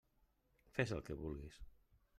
Fes el que vulguis.